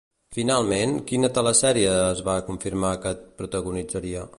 Finalment, quina telesèrie es va confirmar que protagonitzaria?